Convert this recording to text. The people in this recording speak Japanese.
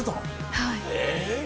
はい。